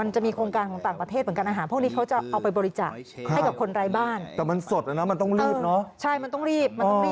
ใช่ใช่